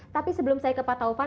tapi sebelum saya ke pak taufan